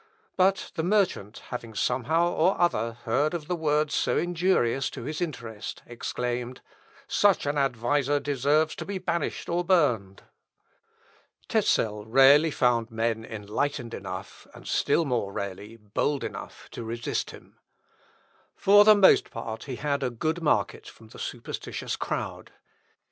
But the merchant having somehow or other heard of words so injurious to his interest, exclaimed, "Such an adviser deserves to be banished or burned." Scultet. Annal. Evangel., p. 4. Tezel rarely found men enlightened enough, and still more rarely men bold enough, to resist him. For the most part he had a good market from the superstitious crowd.